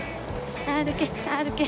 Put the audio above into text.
歩け歩け。